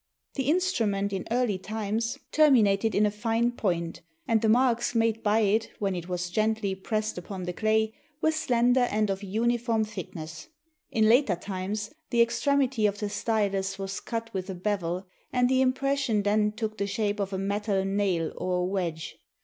The instrument in early times terminated in a fine point, and the marks made by it when it was gently pressed upon the clay were slender and of uniform thickness; in later times, the extremity of the stylus was cut with a bevel, and the impression then took the shape of a metal nail or a wedge.